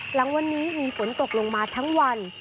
หลังวันนี้มีฝนตกลงมาทั้งวัน